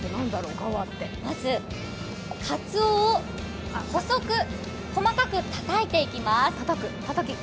まずかつおを細く細かくたたいていきます。